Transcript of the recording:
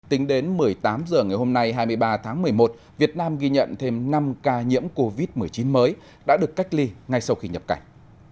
tính đến một mươi tám h ngày hôm nay hai mươi ba tháng một mươi một việt nam ghi nhận thêm năm ca nhiễm covid một mươi chín mới đã được cách ly ngay sau khi nhập cảnh